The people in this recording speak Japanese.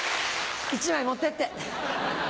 １枚持ってって。